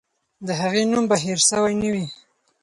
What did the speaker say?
د هغې نوم به هېر سوی نه وي.